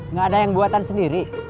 nggak ada yang buatan sendiri